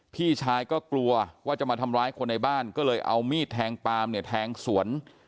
พี่ชายก็กลัวว่าจะมาทำร้ายคนในบ้านก็เลยเอามีดแทงปามเนี่ยแทงสวน